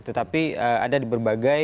tetapi ada di berbagai